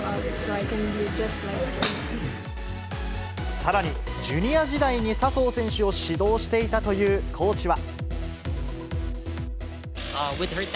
さらにジュニア時代に笹生選手を指導していたというコーチは。